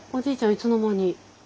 いつの間に。